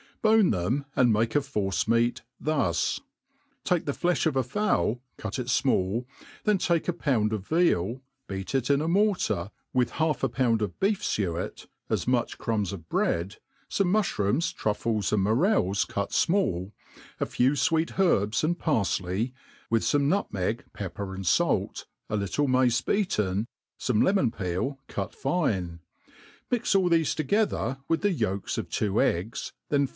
BONE them and make a force meat thus : take the flefli of a fowl, cut it fmalj, then take a pound of veal, beat it in a inortar, with half a pound of beef fuet, as much crumbs of bread, fume muflirooms, truffles and morels cut fmall, a ftw fweet herbs and pariley, with fome nutmeg, pepper, and fait, a little mace beaten, fome Jemon peel cut fine ; mix all thefe together, with the yolks of two eggs, then fi!